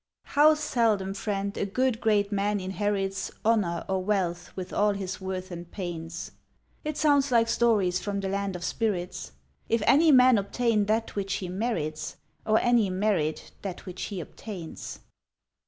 How seldom, Friend! a good great man inherits Honor or wealth with all his worth and pains! It sounds like stories from the land of spirits. If any man obtain that which he merits, Or any merit that which he obtains.